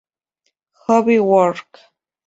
Hobby Work.